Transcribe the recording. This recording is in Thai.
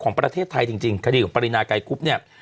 ของประเทศไทยจริงคดีของปรินาไกรคุบเนี่ย